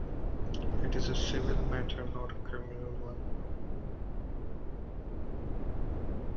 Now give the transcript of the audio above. It is a civil matter, not a criminal one.